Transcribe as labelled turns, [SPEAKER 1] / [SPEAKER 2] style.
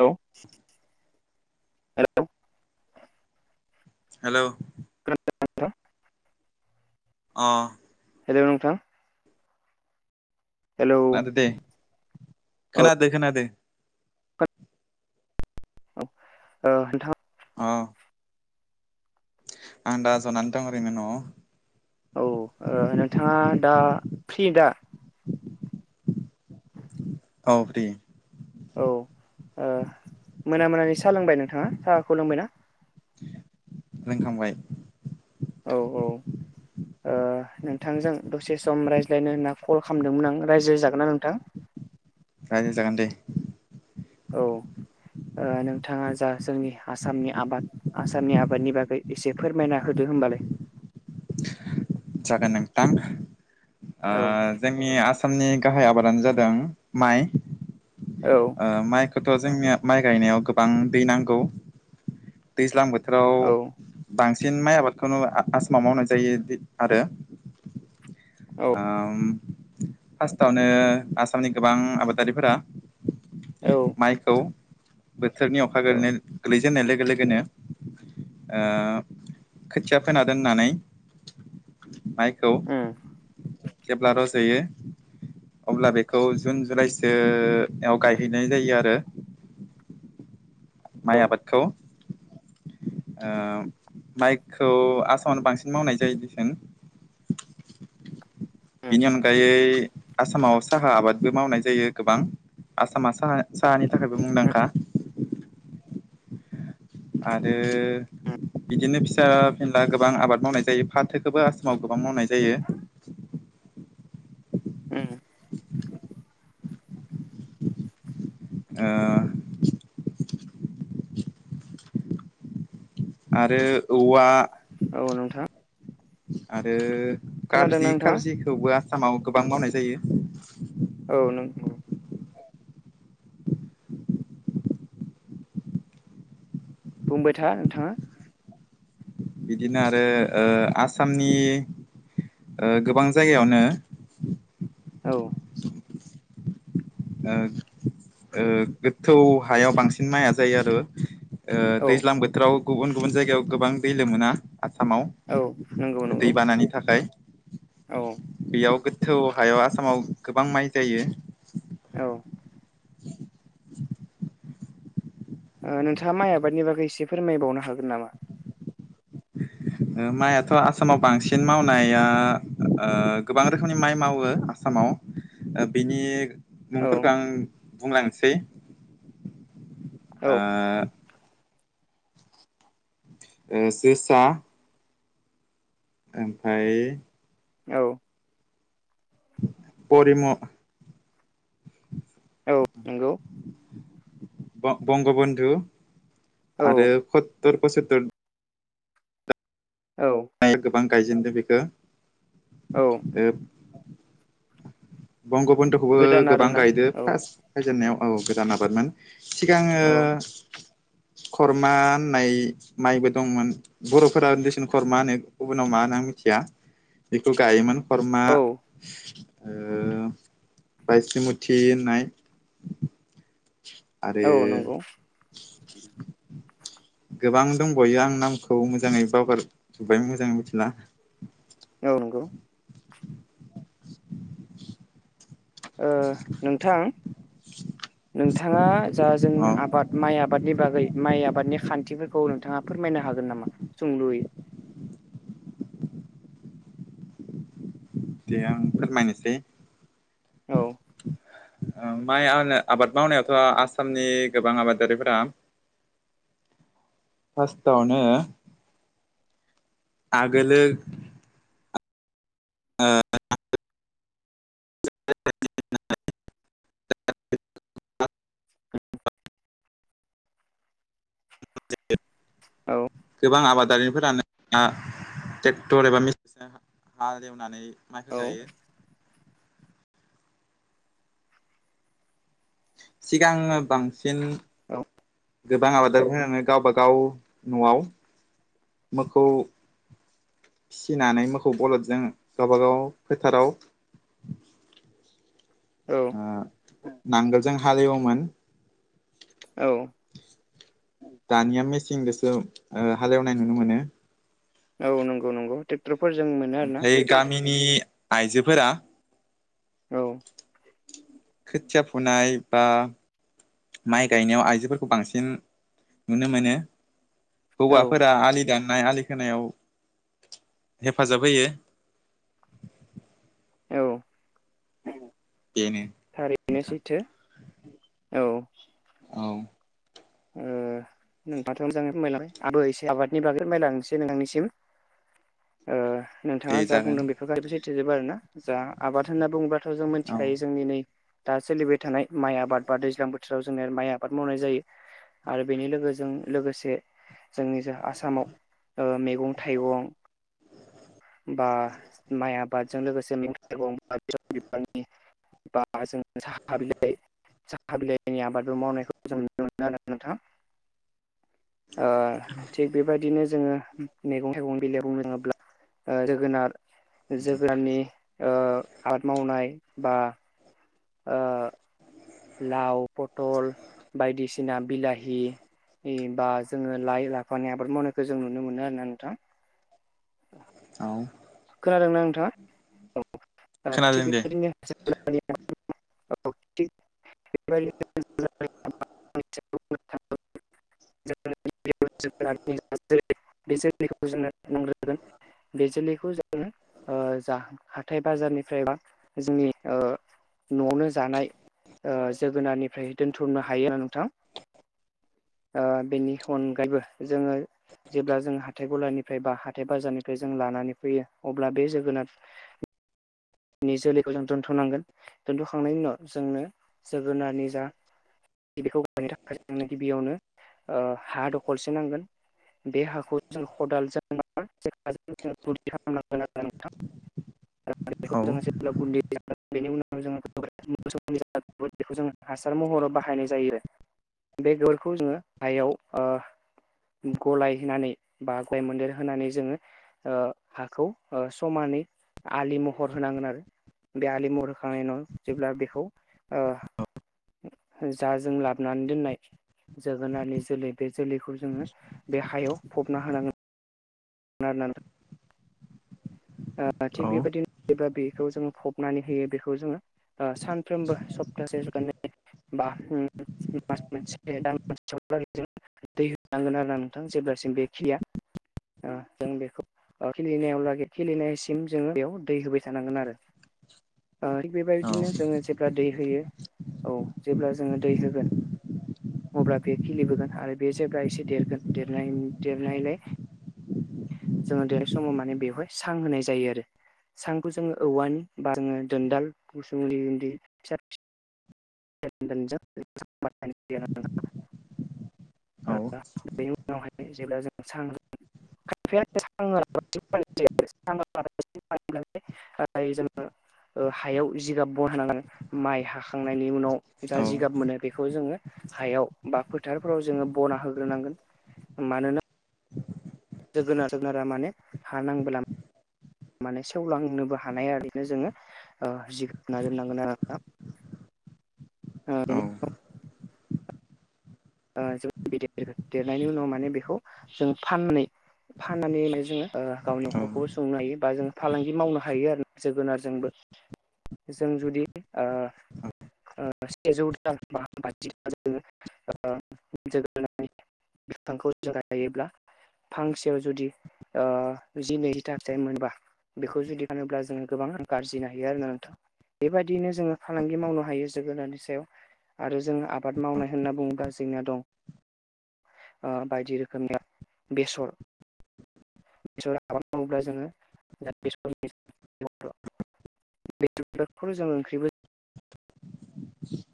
[SPEAKER 1] Hello?
[SPEAKER 2] Hello!
[SPEAKER 1] खोनादोंना नोंथां
[SPEAKER 2] अह
[SPEAKER 1] हेलौ नोंथां? हेलौ
[SPEAKER 2] खोनादो दे
[SPEAKER 1] औ
[SPEAKER 2] खोनादो खोनादो।
[SPEAKER 1] औ ओ नोंथां
[SPEAKER 2] अह आं दा ज'नानै दं ओरैनो न‌आव।
[SPEAKER 1] औ ओ नोंथाङा दा फ्रि दा?
[SPEAKER 2] औ प्रि।
[SPEAKER 1] औ ओ ओ मोना मोनानि साहा लोंबाय नोंथाङा साहाखौ लोंबायना?
[SPEAKER 2] लोंखांबाय।
[SPEAKER 1] औ औ ओ नोंथांजों दसे सम रायज्लायनो होनना कल खालामदोंमोन आं, रायज्लाय जागोन ना नोंथां?
[SPEAKER 2] रायलाय जागोन दे।
[SPEAKER 1] औ। ओ नोंथाङा जा जोंनि आसामनि आबाद आसामनि आबादनि बागै एसे फोरमायना होदो। होम बालाय
[SPEAKER 2] जागोन नोंथां ओ
[SPEAKER 1] औ
[SPEAKER 2] जोंनि आसाम आसामनि गाहाय आबादानो जादों माइ
[SPEAKER 1] औ
[SPEAKER 2] ओ माइखौ थ' जोंनिया माइ गायनायाव गोबां दै नांगौ दैज्लां बोथो
[SPEAKER 1] औ
[SPEAKER 2] थोराव बांसिन माइ आबादखौनो आसामाव मावनाय जायो आरो
[SPEAKER 1] औ
[SPEAKER 2] ओम फार्स्टआवनो आसामनि गोबां आबादारिफोरा माइखौ बोथोरनि अखा
[SPEAKER 1] औ
[SPEAKER 2] गोलैनाय गोलैजेननाय लोगो लोगोनो ओ खोथिया फोना दोननानै माइखौ
[SPEAKER 1] उम
[SPEAKER 2] जेब्ला रज'यो अब्ला बेखौ जुन जुलाइसोयाव गायहैनाय जायो आरो
[SPEAKER 1] [inaudible]
[SPEAKER 2] माइ आबादखौ माइखौ आसामावनो बांसिन मावनाय जायोदिसुन
[SPEAKER 1] [inaudible]
[SPEAKER 2] बिनि अनगायै आसामाव साहा आबादबो मावनाय जायो गोबां आसामा साहा साहानि थाखायबो
[SPEAKER 1] उम
[SPEAKER 2] मुंदांखा आरो
[SPEAKER 1] उम
[SPEAKER 2] बिदिनो फिसा फिला गोबां आबाद मावनाय जायो फाथो खौबो आसामाव गोबां मावनाय जायो
[SPEAKER 1] उम
[SPEAKER 2] [inaudible] आरो औवा
[SPEAKER 1] औ नोंथां
[SPEAKER 2] आरो
[SPEAKER 1] खोनादोंना
[SPEAKER 2] गारजि
[SPEAKER 1] नोंथाङा?
[SPEAKER 2] गारजिखौबो आसामाव गोबां मावनाय जायो
[SPEAKER 1] औ नंगौ बुंबाय था नोंथाङा
[SPEAKER 2] बिदिनो आरोओ आसामनि ओ गोबां जायगायावनो
[SPEAKER 1] औ
[SPEAKER 2] गोथौ हायाव बांसिन माइआ जायो आरो ओ
[SPEAKER 1] औ
[SPEAKER 2] दैज्लां बोथोराव गुबुन गुबुन जायगायाव गोबां दै लोमो ना आसामाव
[SPEAKER 1] औ नंगौ नंगौ
[SPEAKER 2] दैबानानि थाखाय
[SPEAKER 1] औ
[SPEAKER 2] बेयाव थौ हायाव आसामाव गोबां माइ जायो
[SPEAKER 1] औ नोंथाङा माइ आबादनि बागै एसे फोरमायबावनो हागोन नामा [inaudible]
[SPEAKER 2] माइआथ' आसामाव बांसिन मावनाया गोबां रोखोमनि माइ मावो आसामाव
[SPEAKER 1] [inaudible]
[SPEAKER 2] बिनि
[SPEAKER 1] औ
[SPEAKER 2] मुंफोरखौ आं बुंलांनोसै
[SPEAKER 1] औ
[SPEAKER 2] ए जोसा ओमफ्राय
[SPEAKER 1] औ
[SPEAKER 2] बरिम'
[SPEAKER 1] औ नंगौ
[SPEAKER 2] बंगबन्धु
[SPEAKER 1] औ
[SPEAKER 2] आरो सततर पसततर
[SPEAKER 1] औ
[SPEAKER 2] नाया गोबां गायजेनदों बेखौ
[SPEAKER 1] औ
[SPEAKER 2] बंग बंगबनध'खौबो
[SPEAKER 1] गोदान
[SPEAKER 2] गोबां
[SPEAKER 1] आरोना
[SPEAKER 2] गायदो
[SPEAKER 1] औ
[SPEAKER 2] फार्स्ट फायजेननायाव औ गोजान आबादमोन सिगांओ खरमा होननाय माइबो दंमोन बर'फोरा उन्दैसिन खरमा होनो गुबुनाव मा होनो आं मिथिया बेखौ गायोमोन हरमा
[SPEAKER 1] औ
[SPEAKER 2] बायस मुथि होननाय आरो
[SPEAKER 1] औ नंगौ
[SPEAKER 2] गोबां दंबावयो आं नामखौ मोजाङै बावगारजोब्बाय मोजाङै मिथिला
[SPEAKER 1] औ नंगौ नोंथां नोंथाङा जा जों
[SPEAKER 2] अ
[SPEAKER 1] आबाद माइ आबादनि बागै माइ आबादनि खान्थिफोरखौ औ नोंथाङा फोरमायनो हागोन नामा सोंलुयै
[SPEAKER 2] दे आं फोरमायनोसै
[SPEAKER 1] औ
[SPEAKER 2] माइ आबाद मावनायावथ' आसामनि गोबां आबादारिफोरा फासथावनो आगोलो अ
[SPEAKER 1] औ
[SPEAKER 2] गोबां आबादारिफोरानो ट्रेक्टर एबा मेचनजों हालेवनानै
[SPEAKER 1] औ
[SPEAKER 2] माथो गायो सिगां बांसिन
[SPEAKER 1] औ
[SPEAKER 2] गोबां आबादारि होननानै गावबाागाव न'आव मोखौ फिसिनानै मोखौौ बलदजों गावबागाव फोथाराव नांगोलजों हालेवोमोन
[SPEAKER 1] औ
[SPEAKER 2] दानिया मेचं गोसो हालेवनाय नुनो मोनो
[SPEAKER 1] औ नंगौंौ ्रेक्
[SPEAKER 2] ओमफ्राय गामिनि आइजोफोरा
[SPEAKER 1] औ
[SPEAKER 2] खोथिया फुनाय बा माइ गायनायाव आइजोफोरखौ बांसिन नुनो मोनो
[SPEAKER 1] औ
[SPEAKER 2] हौवाफोरा आलि दान नाय आलि खोनायाव हेफाजाब होयो
[SPEAKER 1] औ
[SPEAKER 2] औ
[SPEAKER 1] थारैनो सैथो औ
[SPEAKER 2] औ
[SPEAKER 1] ए नोंाथ' मोजाङायलांबाय आब एसे आबादनि बागायलांसै नोंथांनिसिम
[SPEAKER 2] दे
[SPEAKER 1] नोंथाङा जा
[SPEAKER 2] जागोन
[SPEAKER 1] बुंदों बेफोर गारिबो सैथो जबो आरो ना जा आबाद होनना बुङोबाथ' जों
[SPEAKER 2] औ
[SPEAKER 1] मिथिखायो जोंनि नै दा सोलिबाय थानाय माइ आबाद बा दैज्लां बोथोराव जोङो माइ आबाद मावनाय जायो आरो बेनि लोगोजों लोगोसे जोंनि जों आसामाव मैगं थाइगं बा माइ आबादजों लोगोसे मैग थाइगं बा बि बिबारनि बा जों साह बिलाय साहा बिलाइनि आबादबो मावनायखौ जों नुनो मोनो आरो नोंथां थिग बेबायदिनो जोङो मैगं थाइगं बिलाइ रोङोब्ला जोगोनार जोगोनारनि आबाद मावनाय बा लाव पथल बायदिसिना बिलाहि ए बा जोङो लाइ लाफानि आबाद मावनायखौ जों नुनो मोनो आरोना नोंथां।
[SPEAKER 2] औ
[SPEAKER 1] खोनादोंना नोंथाङा औ थि
[SPEAKER 2] खोनादों दे
[SPEAKER 1] बेबायदिनो औ ज जोलैखौ जोङो नोन बे जोलैखौ ज जा हाथथाय बाजारनिफ्राय बा जोंनि न'आवनो जानाय ओ जोगोनारनिफ्राय दोनथुमनो हायो नोंथां। ओ बेनि अनगायैबो जोङो जेब्ला जों हाथाय गलानिफ्राय बा हाथाय बाजारनिफ्राय जों लानानै फैयो अब्ला बे जोगोनार नि जोलैखौ जों दोनथ'नांगोन। दोन्थ'खांनायनि उनाव जोंनो जोगोनारनि जा बेखौ गायनो थाखाय जोंनो गिबियावनो ओ हा दखलसे नांगोन। बे हाखौ जों खदाल जावनोबा [unintelligible] खालामनांगोन आरो नोंथां [unintelligible]
[SPEAKER 2] औ
[SPEAKER 1] बेखौ जों हासार महराव बाहायनाय जायो। बे गोबोरखौ जोङो हायाव ओ गलाय होनानै बा गय मोन्देर होनानै जोङो ओ हाखौ ओ समानै आलि महर होनांगोन आरो। बे आलि महर होखांनायनि उनाव जेब्ला बेखौ ओ जा जों लाबोनानै दोननाय जोगोनारनि जोलै बे जोलैखौ जोङो बे हायाव फबना होनांगोन ना आरोना नोंथां थिग
[SPEAKER 2] औ
[SPEAKER 1] बेबायदिनो बेबा बि बेखौ जोङो फबनानै होयो बेखौ जोङो ओ सानफ्रोमबो सप्तासे [unintelligible] बा ओम मास मोनसे दानसे दै होनांगोन आरोना नोंथां जेब्ला सिम बे खिलिया जों बेखौ खिलिनायावलागै खिलिनायसिम जोङो बेयाव दै होबाय थानांगोन आरो। ओ थिग बेबायदिनो जोङो जेब्ला दै होयो औ जेब्ला जोङो दै होगोन। अब्ला बेयो खिलिबोगोन आरो बे जेब्ला एसे देरगोन देरनाय देरनायलाय जोङो देरनाय समाव माने बेवहाय सां होनाय जायो आरो। सानखौ जोङो औवानि बा जोङो दोनदाल गुसुं उन्दै उन्दै फिसा फि [unintelligible] ओ बेनि उनावहाय जेब्ला जों [unintelligible] जोङो ओ हायाव जिगाब बना होनांगोन माइ हाखांनाय नि उनाव जा
[SPEAKER 2] औ
[SPEAKER 1] जिगाब मोनो बेखौ जोङो हायाव बा फोथारफोराव जोङो बना होग्रोनांगोन मानोना जोगोनार जोगोनारा मानो हानांबोला माने सेवलांनोबो हानाया नो जोङो ओ जिगाब नाजोबनांगोन आरो नोंथां।
[SPEAKER 2] औ
[SPEAKER 1] [unintelligible] ओ जोबोद गिदिर गिदिर देरनायनि उनाव माने बेखौ जों फाननै फाननानै जोङो ओ गावनि
[SPEAKER 2] औ
[SPEAKER 1] न'खरखौबो सुंनो हायो बा जों फालांगि मावनो हायो आरो जोगोनारजोंबो। जों जुदि ओ [unintelligible] बिफांखौ जों गायोब्ला फांसेयाव जुदि ओ नैजि नैजिथा फिथाइ मोनबा बेखौ जुदि फानोब्ला जोङो गोबां रां आरजिनो हायो आरोना नोंथां। बेबायदियैनो जोङो फालांगि मावनो हायो जोगोननि सायाव। आरो जोङो आबाद मावनाय होनना बुं बा जोंना दं ओ बायदि रोखोमनि बेसर बेसर आबाद मावोब्ला जोङो [unintelligible] मैथ्रु बिबारखौ जोङो ओंख्रिबो
[SPEAKER 2] [inaudible]